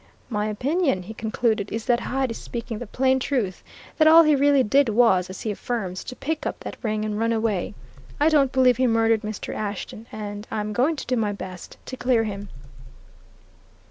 "My opinion," he concluded, "is that Hyde is speaking the plain truth that all he really did was, as he affirms, to pick up that ring and run away. I don't believe he murdered Mr. Ashton, and I'm going to do my best to clear him."